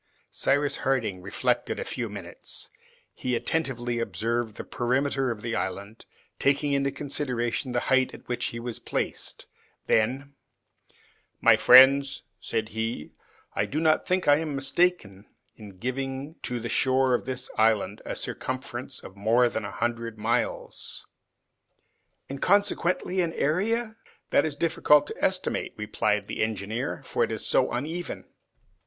Cyrus Harding reflected a few minutes; he attentively observed the perimeter of the island, taking into consideration the height at which he was placed; then, "My friends," said he, "I do not think I am mistaken in giving to the shore of the island a circumference of more than a hundred miles." "And consequently an area?" "That is difficult to estimate," replied the engineer, "for it is so uneven."